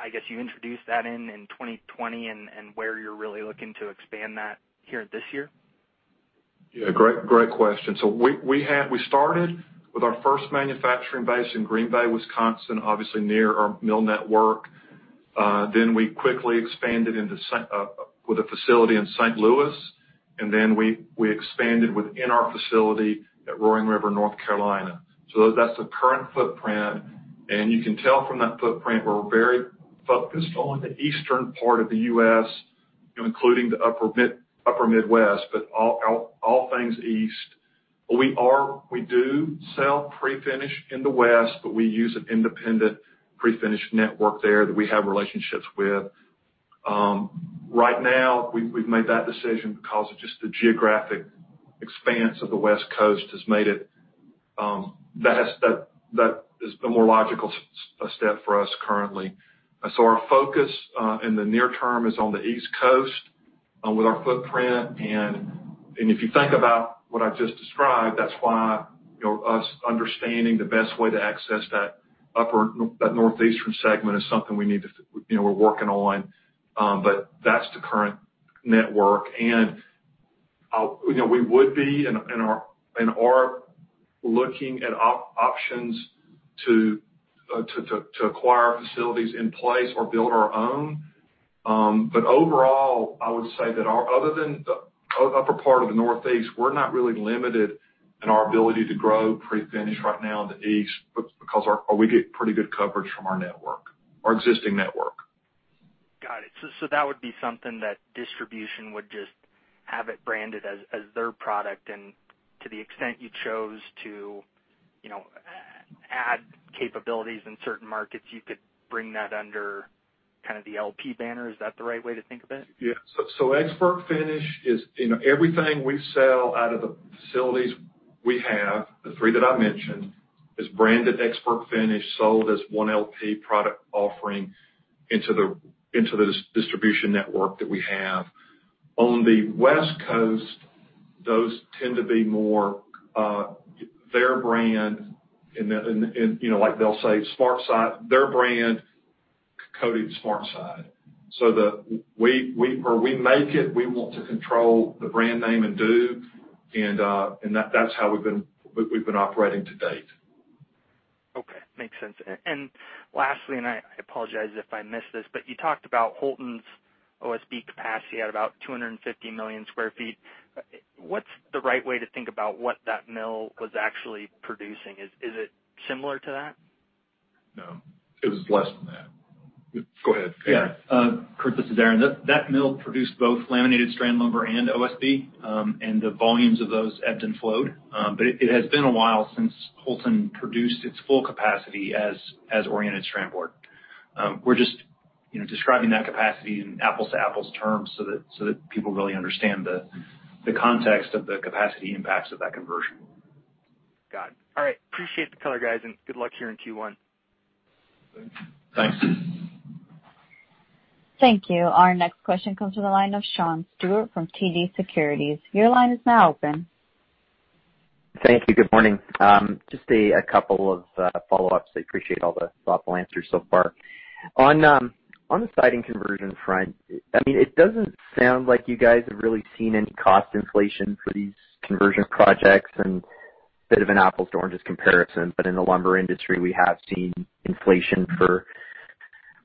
I guess, you introduced that in in 2020 and where you're really looking to expand that here this year? Yeah. Great question. So we started with our first manufacturing base in Green Bay, Wisconsin, obviously near our mill network. Then we quickly expanded with a facility in St. Louis. And then we expanded within our facility at Roaring River, North Carolina. So that's the current footprint. And you can tell from that footprint we're very focused on the eastern part of the U.S., including the upper Midwest, but all things east. We do sell pre-finish in the West, but we use an independent pre-finish network there that we have relationships with. Right now, we've made that decision because of just the geographic expanse of the West Coast has made it that has been a more logical step for us currently. So our focus in the near term is on the East Coast with our footprint. If you think about what I just described, that's why our understanding the best way to access that upper Northeastern segment is something we need to - we're working on. That's the current network. We would be looking at options to acquire facilities in place or build our own. Overall, I would say that other than the upper part of the Northeast, we're not really limited in our ability to grow pre-finish right now in the East because we get pretty good coverage from our network, our existing network. Got it. So that would be something that distribution would just have it branded as their product. And to the extent you chose to add capabilities in certain markets, you could bring that under kind of the LP banner. Is that the right way to think of it? Yeah, so ExpertFinish is everything we sell out of the facilities we have, the three that I mentioned, is branded ExpertFinish sold as one LP product offering into the distribution network that we have. On the West Coast, those tend to be more their brand. And like they'll say, "SmartSide," their brand call it SmartSide, so we make it. We want to control the brand name and do, and that's how we've been operating to date. Okay. Makes sense. And lastly, and I apologize if I missed this, but you talked about Houlton's OSB capacity at about 250 million sq ft. What's the right way to think about what that mill was actually producing? Is it similar to that? No. It was less than that. Go ahead. Yeah. Kurt, this is Aaron. That mill produced both laminated strand lumber and OSB, and the volumes of those ebbed and flowed. But it has been a while since Houlton produced its full capacity as oriented strand board. We're just describing that capacity in apples-to-apples terms so that people really understand the context of the capacity impacts of that conversion. Got it. All right. Appreciate the color, guys, and good luck here in Q1. Thanks. Thank you. Our next question comes from the line of Sean Steuart from TD Securities. Your line is now open. Thank you. Good morning. Just a couple of follow-ups. I appreciate all the thoughtful answers so far. On the Siding conversion front, I mean, it doesn't sound like you guys have really seen any cost inflation for these conversion projects and a bit of an apples-to-oranges comparison. But in the lumber industry, we have seen inflation for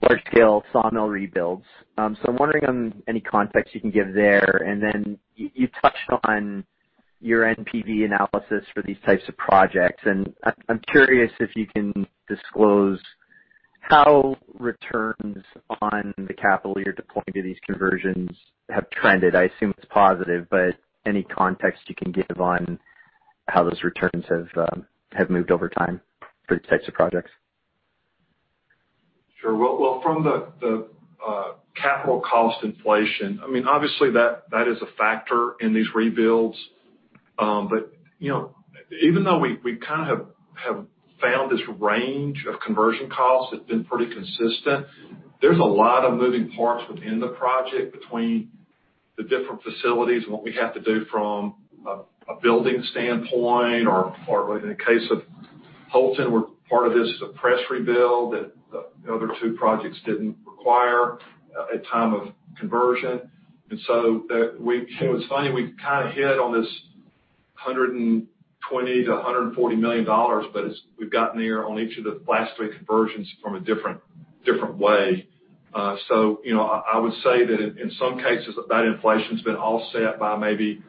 large-scale sawmill rebuilds. So I'm wondering on any context you can give there. And then you touched on your NPV analysis for these types of projects. And I'm curious if you can disclose how returns on the capital you're deploying to these conversions have trended. I assume it's positive, but any context you can give on how those returns have moved over time for these types of projects? Sure. Well, from the capital cost inflation, I mean, obviously, that is a factor in these rebuilds. But even though we kind of have found this range of conversion costs that's been pretty consistent, there's a lot of moving parts within the project between the different facilities and what we have to do from a building standpoint. Or in the case of Houlton, where part of this is a press rebuild that the other two projects didn't require at the time of conversion. And so it was funny. We kind of hit on this $120 million-$140 million, but we've gotten there on each of the last three conversions from a different way. So I would say that in some cases, that inflation has been offset by maybe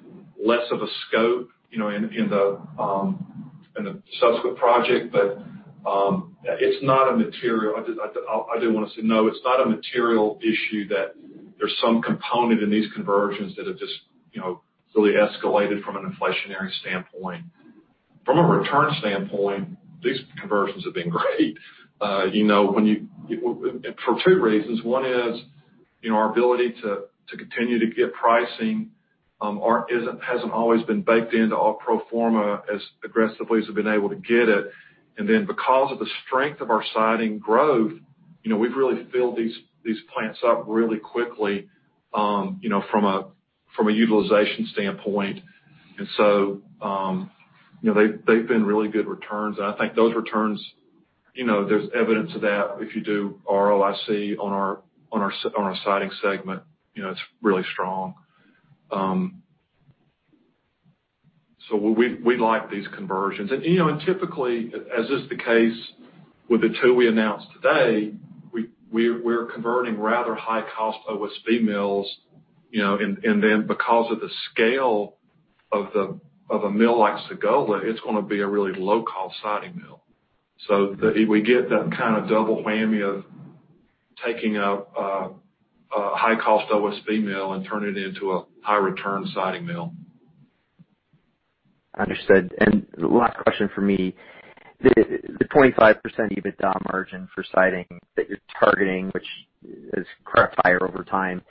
less of a scope in the subsequent project. But it's not a material issue. I do want to say no, it's not a material issue that there's some component in these conversions that have just really escalated from an inflationary standpoint. From a return standpoint, these conversions have been great for two reasons. One is our ability to continue to get pricing hasn't always been baked into our pro forma as aggressively as we've been able to get it. And then because of the strength of our Siding growth, we've really filled these plants up really quickly from a utilization standpoint. And so they've been really good returns. And I think those returns, there's evidence of that. If you do ROIC on our Siding segment, it's really strong. So we like these conversions. And typically, as is the case with the two we announced today, we're converting rather high-cost OSB mills. And then because of the scale of a mill like Sagola, it's going to be a really low-cost Siding mill. So we get that kind of double whammy of taking a high-cost OSB mill and turning it into a high-return Siding mill. Understood, and last question for me. The 25% EBITDA margin for Siding that you're targeting, which has crept higher over time,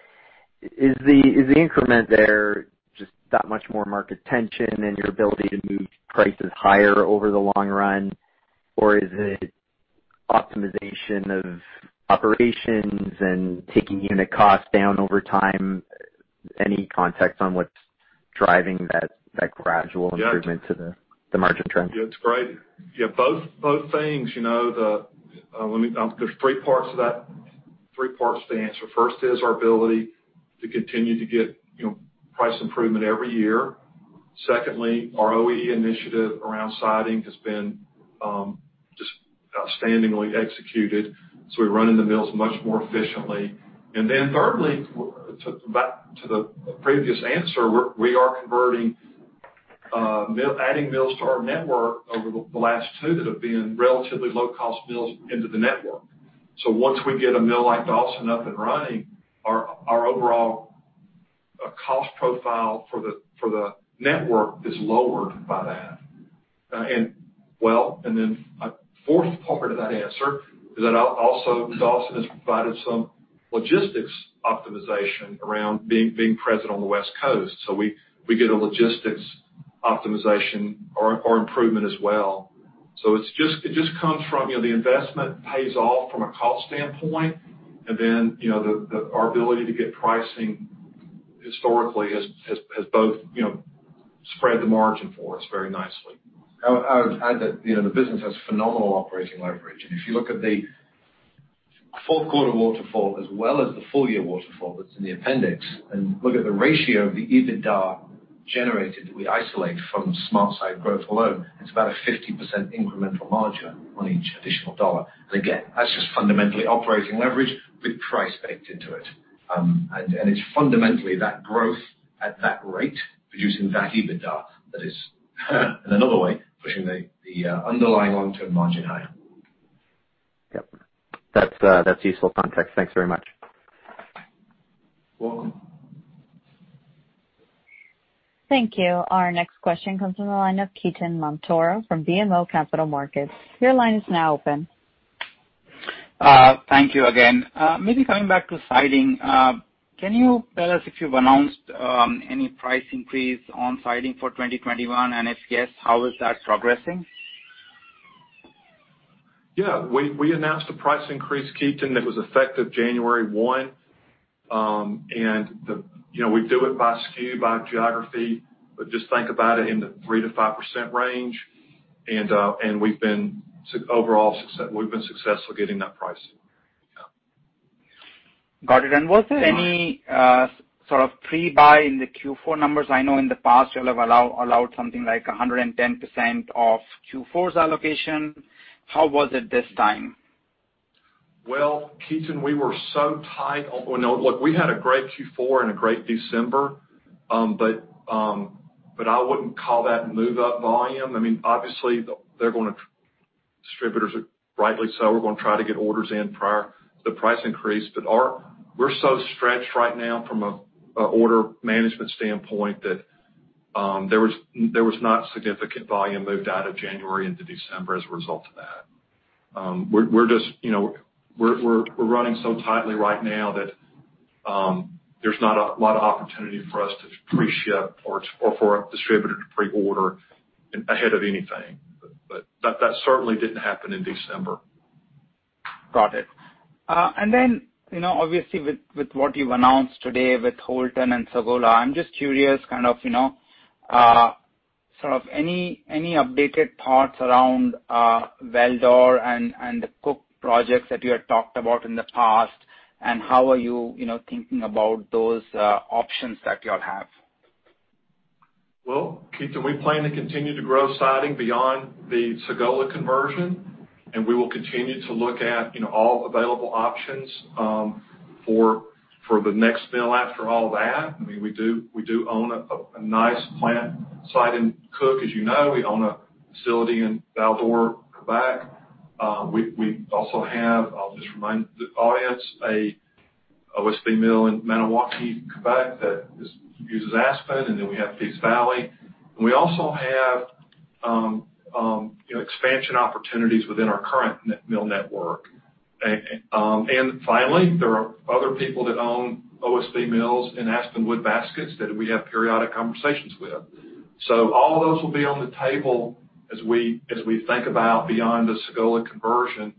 is the increment there just that much more market tension and your ability to move prices higher over the long run? Or is it optimization of operations and taking unit costs down over time? Any context on what's driving that gradual improvement to the margin trend? Yeah. It's great. Yeah. Both things. There's three parts to that. Three parts to answer. First is our ability to continue to get price improvement every year. Secondly, our OEE initiative around Siding has been just outstandingly executed. So we're running the mills much more efficiently. And then thirdly, back to the previous answer, we are adding mills to our network over the last two that have been relatively low-cost mills into the network. So once we get a mill like Dawson up and running, our overall cost profile for the network is lowered by that. And then the fourth part of that answer is that also Dawson has provided some logistics optimization around being present on the West Coast. So we get a logistics optimization or improvement as well. So it just comes from the investment pays off from a cost standpoint. And then our ability to get pricing historically has both spread the margin for us very nicely. I would add that the business has phenomenal operating leverage, and if you look at the full-quarter waterfall as well as the full-year waterfall that's in the appendix and look at the ratio of the EBITDA generated that we isolate from SmartSide growth alone, it's about a 50% incremental margin on each additional dollar, and again, that's just fundamentally operating leverage with price baked into it, and it's fundamentally that growth at that rate producing that EBITDA that is, in another way, pushing the underlying long-term margin higher. Yep. That's useful context. Thanks very much. Welcome. Thank you. Our next question comes from the line of Ketan Mamtora from BMO Capital Markets. Your line is now open. Thank you again. Maybe coming back to Siding, can you tell us if you've announced any price increase on Siding for 2021, and if yes, how is that progressing? Yeah. We announced a price increase, Ketan, that was effective January 1, and we do it by SKU, by geography, but just think about it in the 3%-5% range, and we've been successful getting that pricing. Yeah. Got it. And was there any sort of pre-buy in the Q4 numbers? I know in the past, you all have allowed something like 110% of Q4's allocation. How was it this time? Well, Ketan, we were so tight. Look, we had a great Q4 and a great December, but I wouldn't call that move-up volume. I mean, obviously, they're going to distributors rightly so. We're going to try to get orders in prior to the price increase. But we're so stretched right now from an order management standpoint that there was not significant volume moved out of January into December as a result of that. We're just running so tightly right now that there's not a lot of opportunity for us to pre-ship or for a distributor to pre-order ahead of anything. But that certainly didn't happen in December. Got it. And then obviously, with what you've announced today with Houlton and Sagola, I'm just curious kind of sort of any updated thoughts around Val-d'Or and the Cook projects that you had talked about in the past? And how are you thinking about those options that you all have? Ketan, we plan to continue to grow Siding beyond the Sagola conversion. We will continue to look at all available options for the next mill after all that. I mean, we do own a nice plant site in Cook, as you know. We own a facility in Val-d'Or, Quebec. We also have. I'll just remind the audience, an OSB mill in Maniwaki, Quebec, that uses aspen. Then we have Peace Valley. We also have expansion opportunities within our current mill network. Finally, there are other people that own OSB mills in aspen wood baskets that we have periodic conversations with. So all those will be on the table as we think about beyond the Sagola conversion,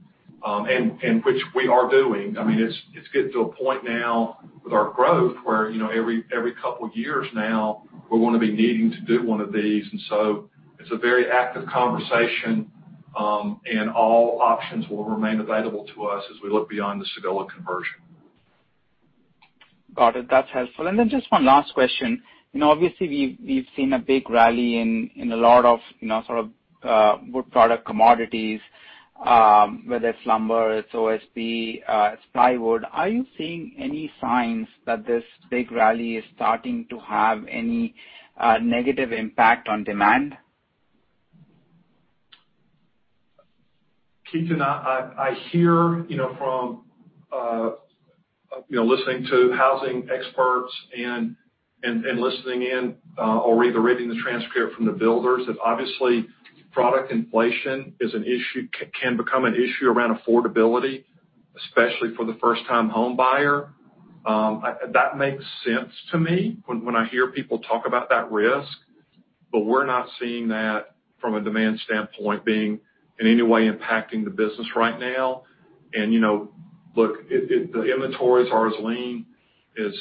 which we are doing. I mean, it's getting to a point now with our growth where every couple of years now, we're going to be needing to do one of these. And so it's a very active conversation. And all options will remain available to us as we look beyond the Sagola conversion. Got it. That's helpful. And then just one last question. Obviously, we've seen a big rally in a lot of sort of wood product commodities, whether it's lumber, it's OSB, it's plywood. Are you seeing any signs that this big rally is starting to have any negative impact on demand? Ketan, I hear from listening to housing experts and listening in or either reading the transcript from the builders that obviously product inflation can become an issue around affordability, especially for the first-time home buyer. That makes sense to me when I hear people talk about that risk. But we're not seeing that from a demand standpoint being in any way impacting the business right now. And look, the inventories are as lean as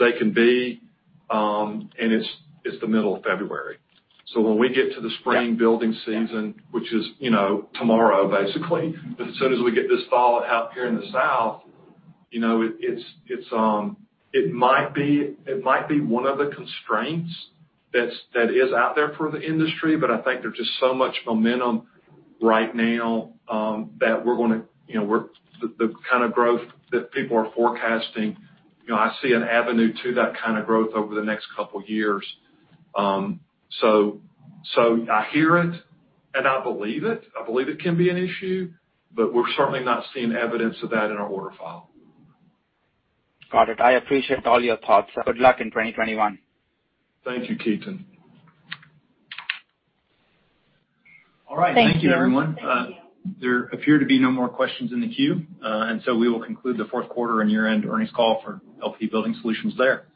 they can be. And it's the middle of February. So when we get to the spring building season, which is tomorrow, basically, as soon as we get this fall out here in the south, it might be one of the constraints that is out there for the industry. But I think there's just so much momentum right now that we're going to the kind of growth that people are forecasting. I see an avenue to that kind of growth over the next couple of years. So I hear it, and I believe it. I believe it can be an issue. But we're certainly not seeing evidence of that in our order file. Got it. I appreciate all your thoughts. Good luck in 2021. Thank you, Ketan. All right. Thank you, everyone. There appear to be no more questions in the queue, and so we will conclude the fourth quarter and year-end earnings call for LP Building Solutions there.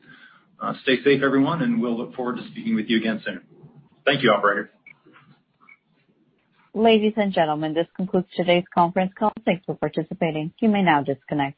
Stay safe, everyone, and we'll look forward to speaking with you again soon. Thank you, operator. Ladies and gentlemen, this concludes today's conference call. Thanks for participating. You may now disconnect.